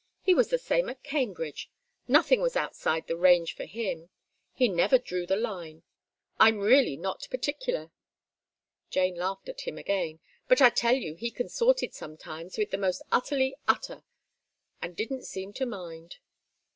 He was the same at Cambridge; nothing was outside the range for him; he never drew the line. I'm really not particular" Jane laughed at him again "but I tell you he consorted sometimes with the most utterly utter, and didn't seem to mind.